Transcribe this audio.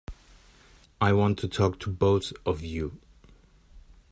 I want to talk to both of you.